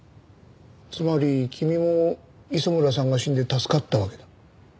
つまり君も磯村さんが死んで助かったわけだ。